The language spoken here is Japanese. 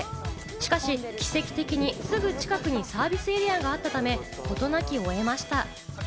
しかし奇跡的にすぐ近くにサービスエリアがあったため、事なきを得ました。